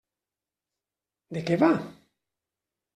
De què va?